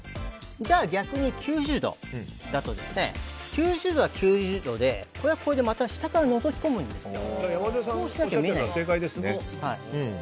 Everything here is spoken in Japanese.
じゃあ逆に９０度だと９０度は９０度でこれはこれで下からのぞき込むんですよ。